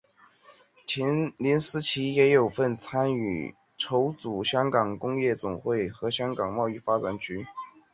林思齐也有份参与筹组香港工业总会和香港贸易发展局。